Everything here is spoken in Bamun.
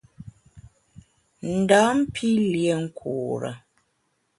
Ndam pi lié nkure.